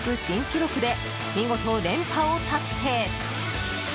新記録で見事連覇を達成！